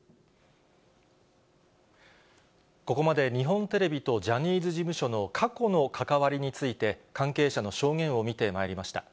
ここまで日本テレビとジャニーズ事務所の過去の関わりについて、関係者の証言を見てまいりました。